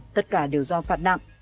tất cả đều do phạt nặng